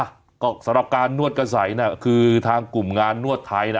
อ่ะก็สำหรับการนวดกระใสน่ะคือทางกลุ่มงานนวดไทยน่ะ